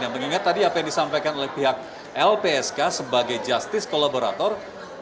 mengingat tadi apa yang disampaikan oleh pihak lpsk sebagai justice kolaborator